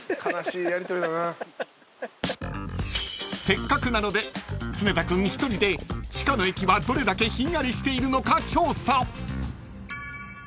［せっかくなので常田君１人で地下の駅はどれだけひんやりしているのか調査！］